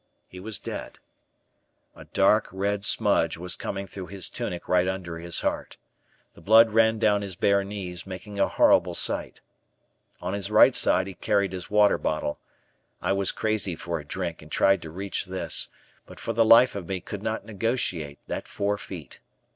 He was dead. A dark, red smudge was coming through his tunic right under the heart. The blood ran down his bare knees, making a horrible sight. On his right side he carried his water bottle. I was crazy for a drink and tried to reach this, but for the life of me could not negotiate that four feet.